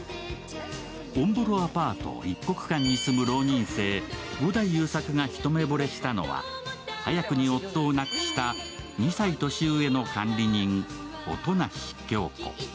おんぼろアパート、一刻館に住む浪人生・五代裕作が一目ぼれしたのは早くに夫を亡くした２歳年上の管理人、音無響子。